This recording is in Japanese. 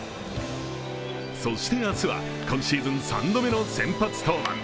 そして明日は今シーズン３度目の先発登板。